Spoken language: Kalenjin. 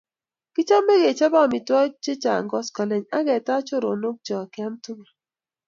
Kichame kechope amitwogik chechang' koskoling' ak ketach choronok chok keam tukul.